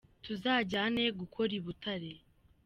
Tuzajyane gukora i Butare.